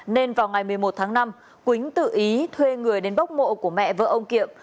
nên vào ngày một mươi một tháng năm quýnh tự ý thuê người đến bóc mộ của mẹ vợ ông kiệm